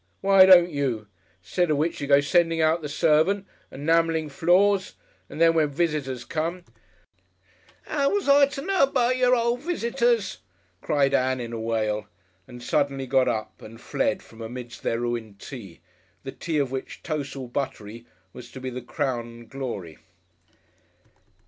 Why don't you? 'Stead of which you go sending out the servant and 'namelling floors, and then when visitors come " "'Ow was I to know about y'r old visitors?" cried Ann in a wail, and suddenly got up and fled from amidst their ruined tea, the tea of which "toce, all buttery," was to be the crown and glory.